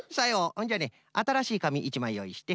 ほんじゃねあたらしいかみ１まいよういして。